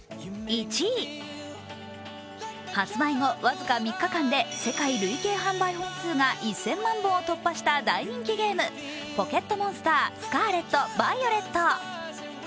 発売後僅か３日間で世界累計本数が１０００万本を突破した「ポケットモンスタースカーレット・バイオレット」。